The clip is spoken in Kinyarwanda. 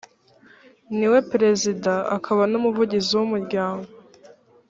niwe perezida akaba numuvugizi w’umuryango